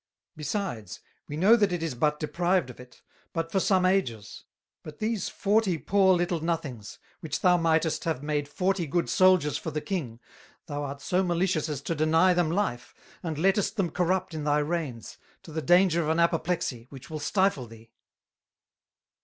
Besides, we know that it is but deprived of it, but for some ages; but these forty poor little Nothings, which thou mightest have made forty good Souldiers for the King, thou art so malicious as to deny them Life, and lettest them corrupt in thy Reins, to the danger of an Appoplexy, which will stifle thee."